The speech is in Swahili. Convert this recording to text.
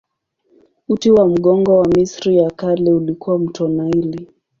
Uti wa mgongo wa Misri ya Kale ulikuwa mto Naili.